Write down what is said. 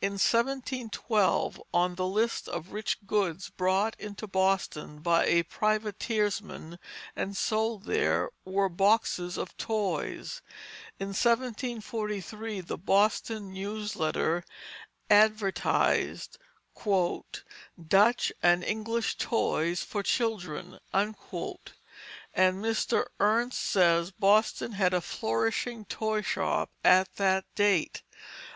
In 1712, on the list of rich goods brought into Boston by a privateersman and sold there, were "Boxes of Toys." In 1743 the Boston News Letter advertised "Dutch and English Toys for Children," and Mr. Ernst says Boston had a flourishing toy shop at that date.